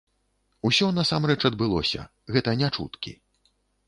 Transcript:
Усё насамрэч адбылося, гэта не чуткі.